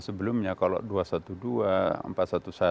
sebelumnya kalau dua ratus dua belas